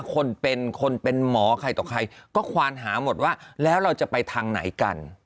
คนเป็นคนเป็นหมอใครต่อใครก็ควานหาหมดว่าแล้วเราจะไปทางไหนกัน